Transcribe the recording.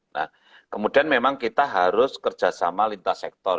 nah kemudian memang kita harus kerjasama lintas sektor